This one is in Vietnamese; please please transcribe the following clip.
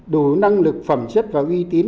đủ năng lực phẩm chất và uy tín